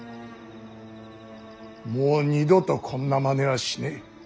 もう二度とこんなまねはしねえ。